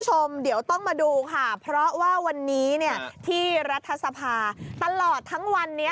เพื่อชมต้องมาดูค่ะเพราะวันนี้ที่รัฐศพาตลอดทั้งวันนี้